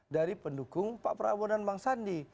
dari pendukung pak prabowo dan bang sandi